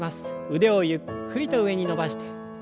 腕をゆっくりと上に伸ばして。